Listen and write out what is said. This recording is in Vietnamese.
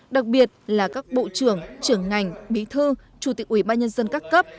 đặc biệt là các bộ trưởng trưởng ngành bí thư chủ tịch ủy ban nhân dân các cấp